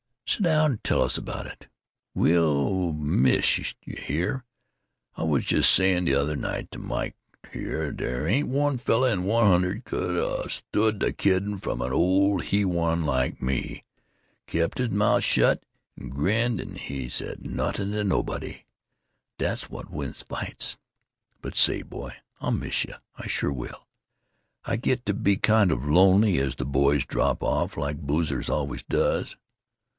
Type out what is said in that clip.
Sit down. Tell us about it. We'll miss yuh here. I was just saying th' other night to Mike here dere ain't one feller in a hundred could 'a' stood de kiddin' from an old he one like me and kep' his mout' shut and grinned and said nawthin' to nobody. Dat's w'at wins fights. But, say, boy, I'll miss yuh, I sure will. I get to be kind of lonely as de boys drop off—like boozers always does.